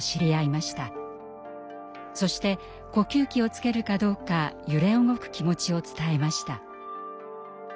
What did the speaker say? そして呼吸器をつけるかどうか揺れ動く気持ちを伝えました。